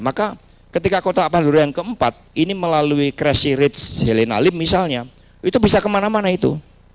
maka ketika kotak pandora yang keempat ini melalui crash rate helena lim misalnya itu bisa kemana mana itu